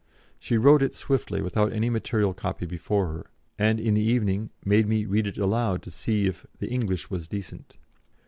She wrote it swiftly, without any material copy before her, and in the evening made me read it aloud to see if the "English was decent."